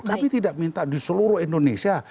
tapi tidak minta di seluruh indonesia